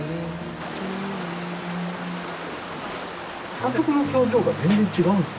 監督の表情が全然違うんですよ